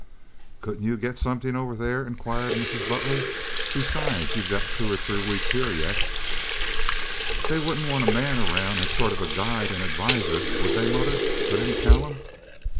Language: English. "Couldn't you get somethin' over there?" inquired Mrs. Butler. "Besides, you've got two or three weeks here yet." "They wouldn't want a man around as a sort of guide and adviser, would they, mother?" put in Callum.